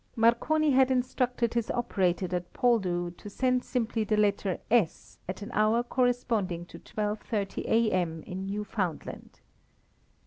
Marconi had instructed his operator at Poldhu to send simply the letter "s" at an hour corresponding to 12.30 A.M. in Newfoundland.